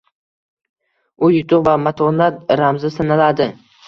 U yutuq va matonat ramzi sanaladi.